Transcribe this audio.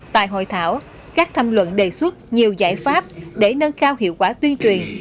tại hội thảo các tham luận đề xuất nhiều giải pháp để nâng cao hiệu quả tuyên truyền